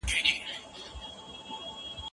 هغه د هغې په هوښیارتیا باندې ویاړ وکړ.